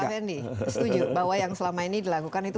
pak raffendi setuju bahwa yang selama ini dilakukan itu